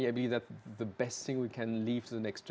tapi dalam jangka panjang